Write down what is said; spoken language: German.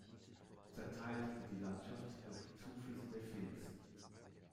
Zerteilt wird die Landschaft durch die Zuflüsse der Vils.